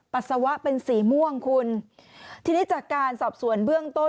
ปัสสาวะเป็นสีม่วงคุณทีนี้จากการสอบสวนเบื้องต้น